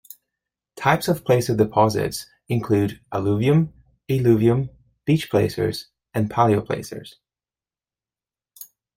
Types of placer deposits include alluvium, eluvium, beach placers, and paleoplacers.